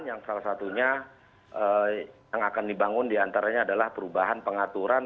yang salah satunya yang akan dibangun diantaranya adalah perubahan pengaturan